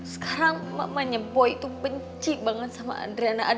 sekarang mamanya boy itu benci banget sama adrena